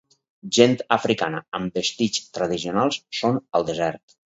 Gent africana amb vestits tradicionals són al desert.